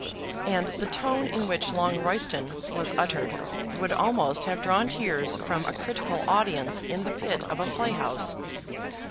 And the tone in which Longroyston was uttered would almost have drawn tears from a critical audience in the pit of a playhouse.